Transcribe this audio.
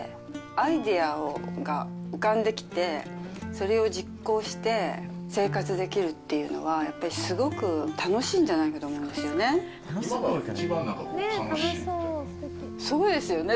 アイデアが浮かんできて、それを実行して生活できるっていうのは、やっぱりすごく楽しいんじゃないかと思うんですよね。